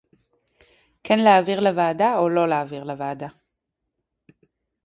כן להעביר לוועדה או לא להעביר לוועדה